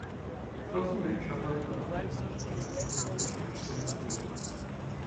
প্রথমে, সাধারণত রাতের বেলা তারা একটা ফেরিতে চড়ে সিঙ্গাপুরে যেত।